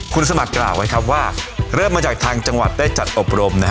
คุณสมัครกล่าวไว้ครับว่าเริ่มมาจากทางจังหวัดได้จัดอบรม